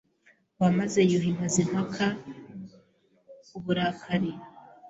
wamaze Yuhi Mazimpaka uburakari